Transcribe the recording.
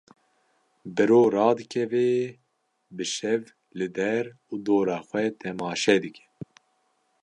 Bi ro radikeve bi şev li der û dora xwe temaşe dike.